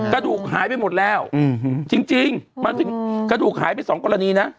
กระดูกหายไปหมดแล้วจริงมันถึงกระดูกหายไปสองกรณีนะ